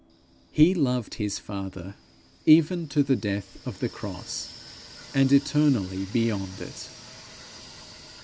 He loved his father even to the death of the cross, and eternally beyond it.